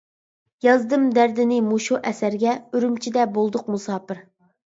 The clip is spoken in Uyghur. يازدىم دەردىنى مۇشۇ ئەسەرگە، ئۈرۈمچىدە بولدۇق مۇساپىر.